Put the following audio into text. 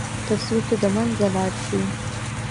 تر څو چې د منځه لاړ شي.